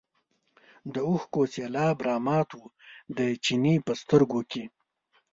د اوښکو سېلاب رامات و د چیني په سترګو کې.